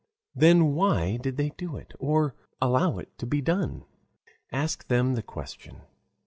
Then why did they do it, or allow it to be done? Ask them the question.